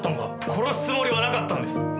殺すつもりはなかったんです。